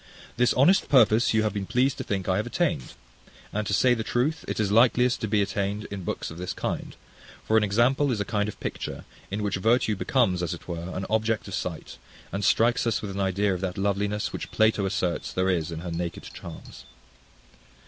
This honest purpose you have been pleased to think I have attained: and to say the truth, it is likeliest to be attained in books of this kind; for an example is a kind of picture, in which virtue becomes, as it were, an object of sight, and strikes us with an idea of that loveliness, which Plato asserts there is in her naked charms.